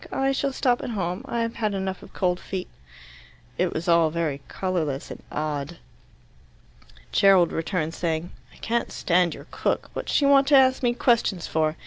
I shall stop at home. I've had enough of cold feet." It was all very colourless and odd. Gerald returned, saying, "I can't stand your cook. What's she want to ask me questions for?